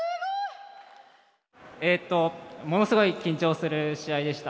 えっとものすごい緊張する試合でした。